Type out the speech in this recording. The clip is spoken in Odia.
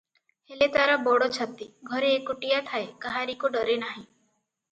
ହେଲେ ତାର ବଡ଼ ଛାତି, ଘରେ ଏକୁଟିଆ ଥାଏ, କାହାରିକୁ ଡରେ ନାହିଁ ।